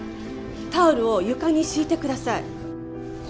タオルを床に敷いてください